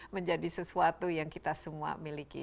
menjadi sesuatu yang kita semua miliki